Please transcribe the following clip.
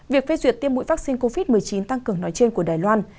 việc phê duyệt tiêm mũi vaccine covid một mươi chín tăng cường nói trên của đài loan